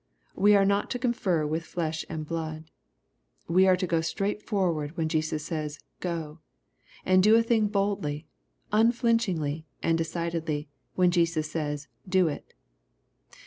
We are not to confer with flesh and blood. We are to go straight forward when Jesus says, " go ;" and do a thing boldly, unflinchingly, and decidedly, when Jesus says, " do it."